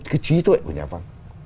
cái trí tuệ của nhà văn